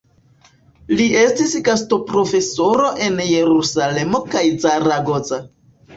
Li estis gastoprofesoro en Jerusalemo kaj Zaragoza.